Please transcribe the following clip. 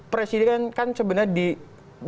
presiden kan sebenarnya di dalam struktur kepala